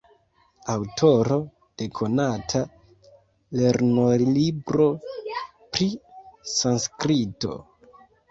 Aŭtoro de konata lernolibro pri sanskrito.